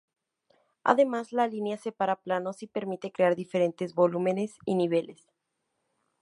Además la línea separa planos, y permite crear diferentes volúmenes y niveles.